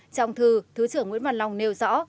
trong thư thứ trưởng nguyễn văn long nêu rõ